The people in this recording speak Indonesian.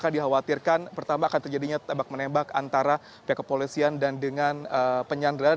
karena dikhawatirkan pertama akan terjadinya tembak menembak antara pihak kepolisian dan dengan penyandaran